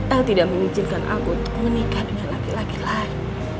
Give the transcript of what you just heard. al tidak mengizinkan aku untuk menikah dengan laki laki lain